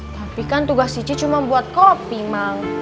tapi kan tugas si c cuma buat kopi mang